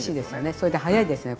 それで早いですよね。